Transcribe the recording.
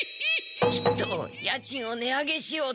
きっと家賃を値上げしようと。